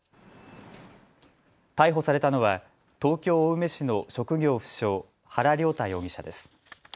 逮捕されたのは東京青梅市の職業不詳、原亮太容疑者です。